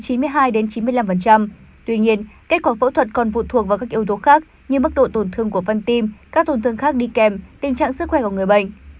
tuy nhiên kết quả phẫu thuật còn phụ thuộc vào các yếu tố khác như mức độ tổn thương của văn tim các tổn thương khác đi kèm tình trạng sức khỏe của người bệnh